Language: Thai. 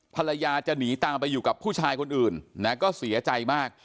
ภรรยาจะหนีตามไปอยู่กับผู้ชายคนอื่นนะก็เสียใจมาก